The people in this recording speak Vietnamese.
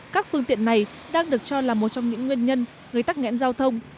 các phương tiện này đang được cho là một trong những nguyên nhân gây tắc nghẽn giao thông